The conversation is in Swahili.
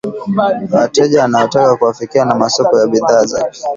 Wateja anaotaka kuwafikia na masoko ya bidhaa zake